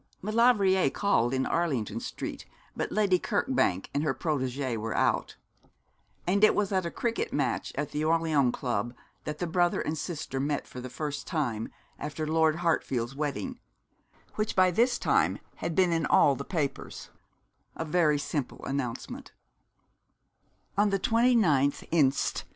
Maulevrier called in Arlington Street, but Lady Kirkbank and her protégée were out; and it was at a cricket match at the Orleans Club that the brother and sister met for the first time after Lord Hartfield's wedding, which by this time had been in all the papers; a very simple announcement: 'On the 29th inst.